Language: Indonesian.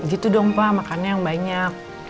begitu dong pak makan yang banyak